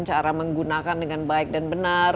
cara menggunakan dengan baik dan benar